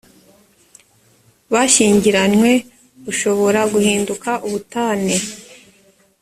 bashyingiranywe bushobora guhinduka ubutane